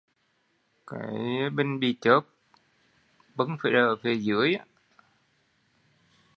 Cái bình bị chớp, bưng phải đợ ở phía dưới